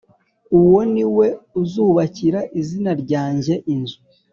Uwo ni we uzubakira izina ryanjye inzu